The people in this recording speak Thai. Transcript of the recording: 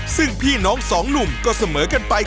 ซึ่งพี่น้องสองหนุ่มก็เสมอกันไป